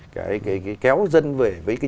cái kéo dân về với cái